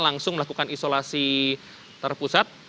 langsung melakukan isolasi terpusat